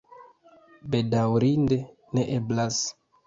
Bedaŭrinde, ne eblas.